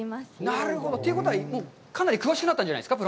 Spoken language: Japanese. なるほど。ということは、かなり詳しくなったんじゃないですか。